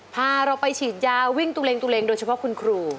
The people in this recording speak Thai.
พาเราไปฉีดยาวิ่งตัวเองโดยเฉพาะคุณครู